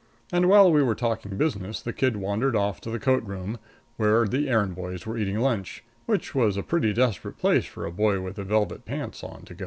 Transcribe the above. And while we were talking business, the kid wandered off to the coat room, where the errand boys were eating lunch, which was a pretty desperate place for a boy with velvet pants on to go.